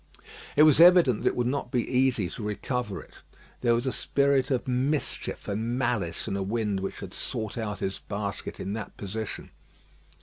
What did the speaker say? It was evident that it would not be easy to recover it. There was a spirit of mischief and malice in a wind which had sought out his basket in that position.